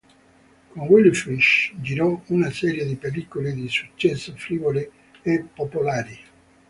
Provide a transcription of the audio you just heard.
Con Willy Fritsch, girò una serie di pellicole di successo, frivole e popolari.